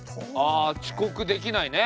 あ遅刻できないね。